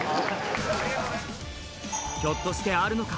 ひょっとしてあるのか。